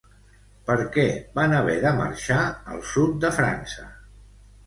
Per què van haver de marxar al sud de França?